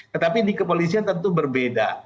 tetapi di kepolisian tentu berbeda